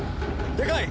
でかい！